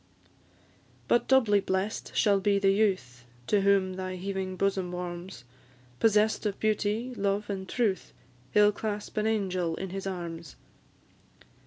But doubly bless'd shall be the youth To whom thy heaving bosom warms; Possess'd of beauty, love, and truth, He 'll clasp an angel in his arms.